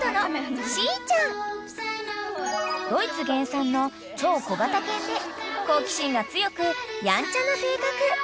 ［ドイツ原産の超小型犬で好奇心が強くやんちゃな性格］